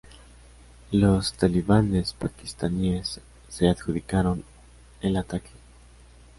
Los talibanes pakistaníes se adjudicaron el ataque.